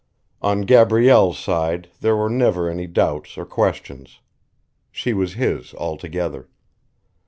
On Gabrielle's side there were never any doubts or questionings. She was his altogether.